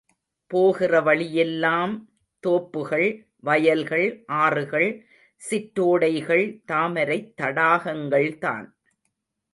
போகிற வழியெல்லாம் தோப்புகள், வயல்கள், ஆறுகள், சிற்றோடைகள், தாமரைத் தடாகங்கள்தான்.